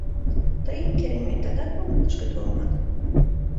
Тый, керемет, адак молан тышке толынат?